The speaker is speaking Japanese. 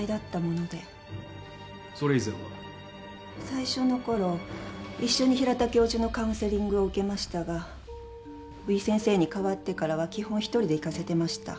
最初のころ一緒に平田教授のカウンセリングを受けましたが宇井先生に代わってからは基本一人で行かせてました。